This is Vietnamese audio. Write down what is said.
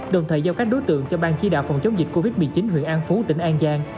đồng thời giao các đối tượng cho bang chỉ đạo phòng chống dịch covid một mươi chín huyện an phú tỉnh an giang